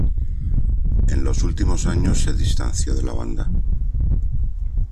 En los últimos años se distanció de la banda.